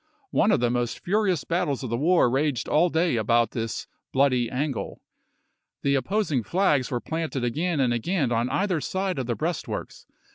One of the most furious battles of the war raged all day about this "bloody angle." The opposing flags were planted again and again on either side of the breastworks.